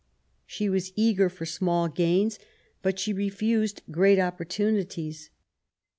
She was eager for small gains, but she refused great opportunities.